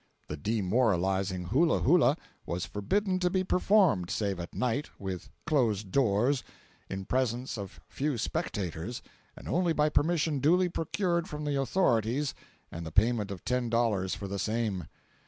The demoralizing hula hula was forbidden to be performed, save at night, with closed doors, in presence of few spectators, and only by permission duly procured from the authorities and the payment of ten dollars for the same.